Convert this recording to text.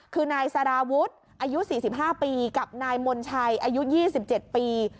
คือนายสาราวุธอายุสี่สิบห้าปีกับนายมนชายอายุสี่สิบเจ็ดปี